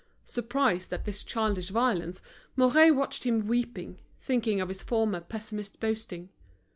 Surprised at this childish violence, Mouret watched him weeping, thinking of his former pessimist boasting.